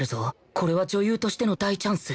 これは女優としての大チャンス